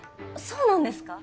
そうなんですか？